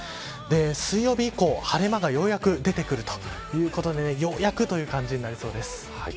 水曜日以降、晴れ間がようやく出てくるということでようやくという感じになりそうです。